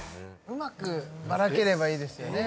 うまくばらければいいですよね。